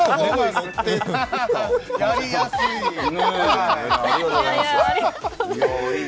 やりやすい、ねぇ。